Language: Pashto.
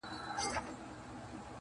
کاڼي په لمن کي لېوني عجیبه و ویل-